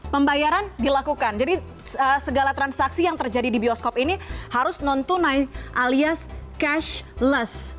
pembayaran dilakukan jadi segala transaksi yang terjadi di bioskop ini harus non tunai alias cashless